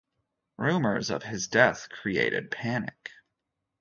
Rumours of his death created panic.